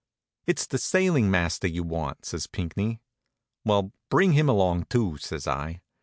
"It's the sailing master you want," says Pinckney. "Well, bring him along, too," says I.